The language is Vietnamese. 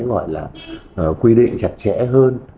gọi là quy định chặt chẽ hơn